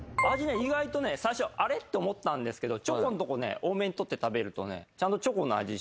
意外とね最初あれ？って思ったんですけどチョコのとこ多めに取って食べるとね。